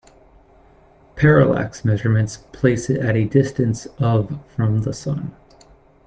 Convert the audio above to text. Parallax measurements place it at a distance of from the Sun.